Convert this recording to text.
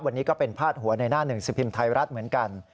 วันนี้ก็เป็นพาดหัวในหน้าหนึ่งสิบพิมพ์ไทยรัฐเหมือนกัน